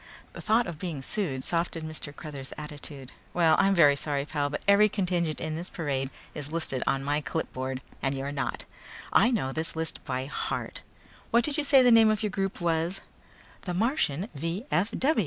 The thought of being sued softened Mr. Cruthers' attitude. "Well, I'm very sorry, pal, but every contingent in this parade is listed on my clipboard and you're not. I know this list by heart. What did you say the name of your group was?" "The Martian V.